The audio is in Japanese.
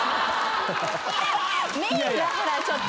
メインはほらちょっと。